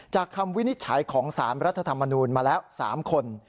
คำวินิจฉัยของสารรัฐธรรมนูญมาแล้ว๓คน